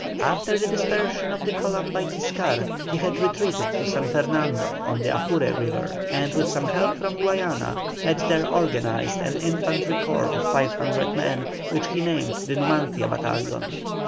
After the dispersion of the column by Tiscar, he had retreated to San Fernando on the Apure River, and with some help from Guayana, had there organized an infantry corps of 500 men, which he named the "Numancia" battalion.